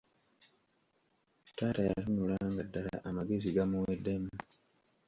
Taata yatunula nga ddala amagezi gamuweddemu.